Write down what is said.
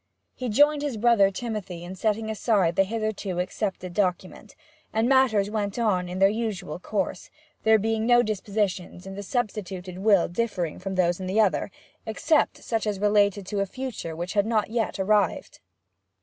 He joined his brother Timothy in setting aside the hitherto accepted document, and matters went on in their usual course, there being no dispositions in the substituted will differing from those in the other, except such as related to a future which had not yet arrived.